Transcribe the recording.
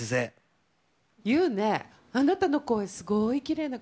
ユウね、あなたの声、すごいきれいな声。